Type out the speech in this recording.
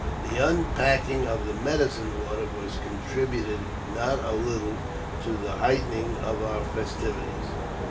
The unpacking of the medicine zoater contributed not a little to the heightening of our festivities.